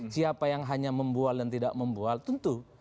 siapa yang hanya membual dan tidak membual tentu